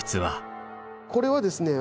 これはですね